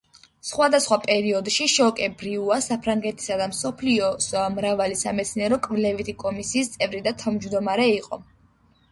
სხვადასხვა პერიოდში შოკე-ბრიუა საფრანგეთისა და მსოფლიოს მრავალი სამეცნიერო-კვლევითი კომისიის წევრი და თავმჯდომარე იყო.